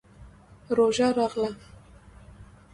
روژه راغله.